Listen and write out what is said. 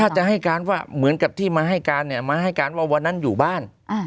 ถ้าจะให้การว่าเหมือนกับที่มาให้การเนี่ยมาให้การว่าวันนั้นอยู่บ้าน